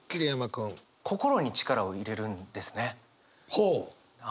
ほう！